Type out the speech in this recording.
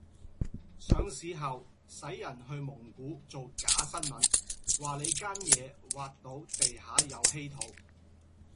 上市後洗人去蒙古做假新聞，話你間野挖到地下有稀土